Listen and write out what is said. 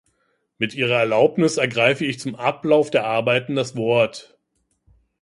Mit Ihrer Erlaubnis ergreife ich zum Ablauf der Arbeiten das Wort.